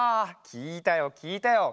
きいたよきいたよ。